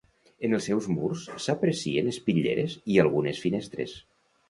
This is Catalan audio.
En els seus murs s'aprecien espitlleres i algunes finestres.